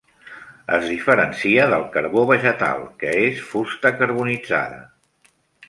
Es diferencia del carbó vegetal, que és fusta carbonitzada.